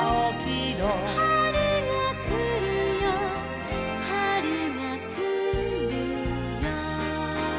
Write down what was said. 「はるがくるよはるがくるよ」